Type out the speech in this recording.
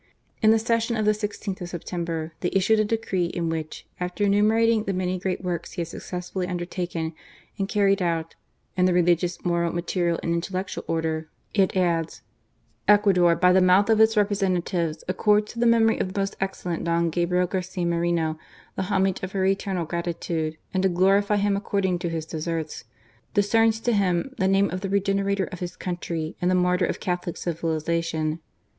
In the session of the i6th of September, they issued a decree in which, after enumerating the many great works he had successfully undertaken and carried out " in the religious, moral, material, and intellectual order," it adds :" Ecuador, by the mouth of its representatives, accords to the memory of the most excellent Don Gabriel Garcia Moreno the homage of her eternal gratitude, and to glorify him according to his deserts, discerns to him the name of The Regenerator of his country, and the Martyr of Catholic Civilization.